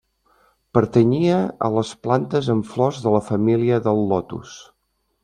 Pertanyia a les plantes amb flors de la família del lotus.